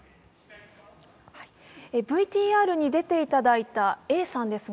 ＶＴＲに出ていただいたＡさんです。